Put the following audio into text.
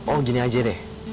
oh gini aja deh